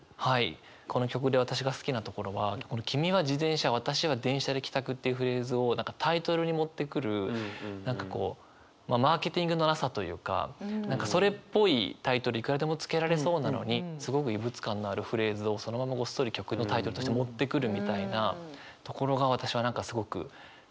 この曲で私が好きなところは「君は自転車私は電車で帰宅」っていうフレーズをタイトルに持ってくる何かこうマーケティングのなさというかそれっぽいタイトルいくらでも付けられそうなのにすごく異物感のあるフレーズをそのままごっそり曲のタイトルとして持ってくるみたいなところが私は何かすごく好きなんですよね。